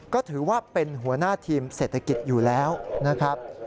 ก็ถือว่าเป็นหัวหน้าทีมเศรษฐกิจอยู่แล้วนะครับ